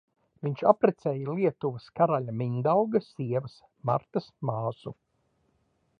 Viņš apprecēja Lietuvas karaļa Mindauga sievas Martas māsu.